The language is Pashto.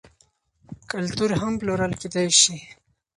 کلتور هم پلورل کیدی شي.